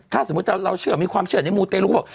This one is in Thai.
ถ้าสมมติว่าเรามีความเชือกในมูตรเราก็บอก